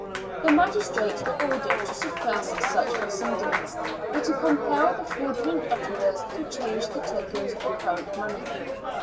The magistrates were ordered to suppress such proceedings, and to compel the fraudulent utterers to change the tokens for current money.